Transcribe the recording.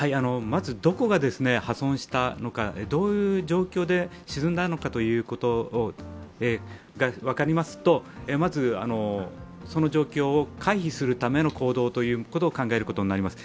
どこが破損したのかどういう状況で沈んだのかということが分かりますとその状況を回避するための行動を考えることになります。